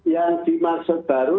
yang dimaksud baru